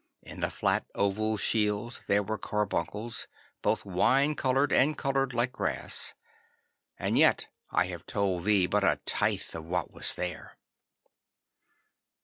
In the flat oval shields there were carbuncles, both wine coloured and coloured like grass. And yet I have told thee but a tithe of what was there.